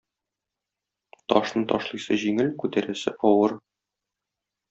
Ташны ташлыйсы җиңел, күтәрәсе авыр.